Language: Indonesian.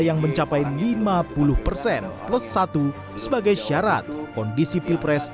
yang mencapai lima puluh persen plus satu sebagai syarat kondisi pilpres